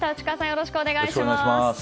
よろしくお願いします。